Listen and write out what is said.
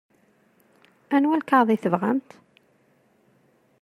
Anwa lkaɣeḍ i tebɣamt?